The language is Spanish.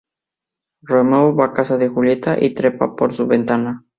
Romeo va a casa de Julieta y trepa por su ventana.